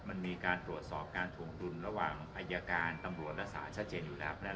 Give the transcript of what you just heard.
มันมีการตรวจสอบการถวงดุลระหว่างอายการตำรวจและสารชัดเจนอยู่แล้ว